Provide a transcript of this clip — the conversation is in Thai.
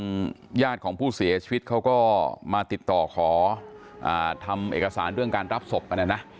ญาติของผู้เสียชีวิตเขาก็มาติดต่อขอทำเอกสารเรื่องการรับศพกันนะนะ